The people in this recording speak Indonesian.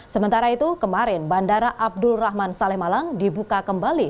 sementara itu kemarin bandara abdul rahman salemalang dibuka kembali